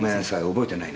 覚えてないな。